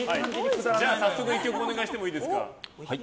早速１曲お願いしてもいいですか。